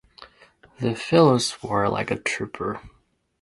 The fellow swore like a trooper.